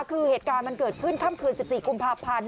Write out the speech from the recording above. คือเหตุการณ์มันเกิดขึ้นค่ำคืน๑๔กุมภาพันธ์